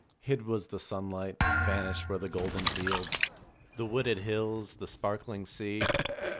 Hid was the sunlight, vanished were the golden fields, the wooded hills, the sparkling sea.